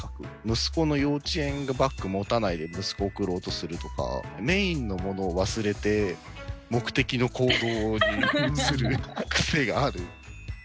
息子の幼稚園バッグ持たないで息子を送ろうとするとか、メインのものを忘れて目的の行動に移る癖がある。